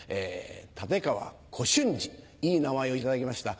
立川小春志いい名前を頂きました。